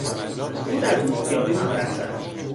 او در دوستیابی مهارت دارد.